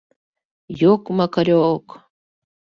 — Йок-макаре-ок!